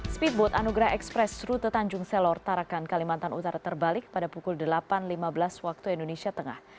speedboat anugerah express rute tanjung selor tarakan kalimantan utara terbalik pada pukul delapan lima belas waktu indonesia tengah